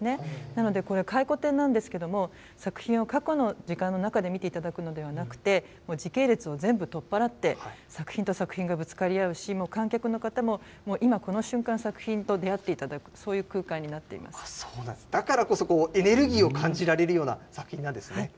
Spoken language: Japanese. なので、これ、回顧展なんですけれども、作品を過去の時間の中で見ていただくのではなくて、もう時系列も全部取っ払って、作品と作品がぶつかり合うし、観客の方も今この瞬間、作品と出会っていただく、そういう空間になっていだからこそ、エネルギーを感じられるような作品なんですね。